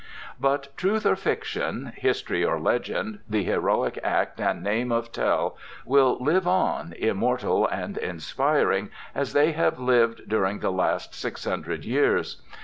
But truth or fiction, history or legend, the heroic act and name of Tell will live on, immortal and inspiring, as they have lived during the last six hundred years.